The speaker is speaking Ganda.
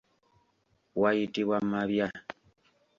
Wayitibwa mabya.